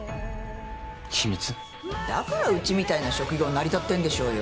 だからうちみたいな職業成り立ってんでしょうよ。